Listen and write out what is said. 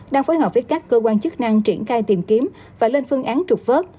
đang phối hợp với các cơ quan chức năng triển khai tìm kiếm và lên phương án trục vớt